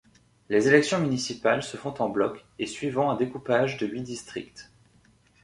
Les élections municipales se font en bloc et suivant un découpage de huit districts.